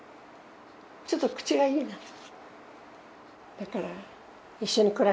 ちょっと口がイイなの。